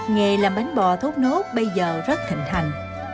nghề làm bánh bò thốt nốt bây giờ rất thịnh hành